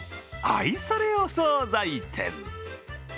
愛されお総菜店。